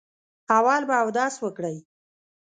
اول به اودس وکړئ.